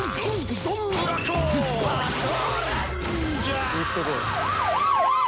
行ってこい。